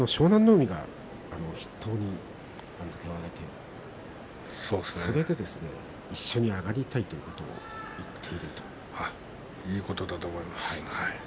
海が筆頭に番付を上げてそれで一緒に上がりたいということをいいことだと思います。